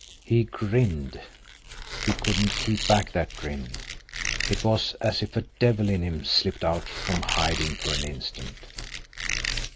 He grinned. He couldn't keep back that grin. It was as if a devil in him slipped out from hiding for an instant."